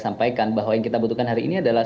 sampaikan bahwa yang kita butuhkan hari ini adalah